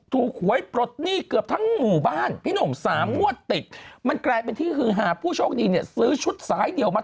ดูซิคุณดูหน้าบัตรนาวหลังจากที่เราเนื่องทำเสริมข่าวไป